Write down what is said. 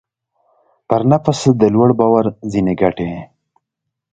پر نفس د لوړ باور ځينې ګټې.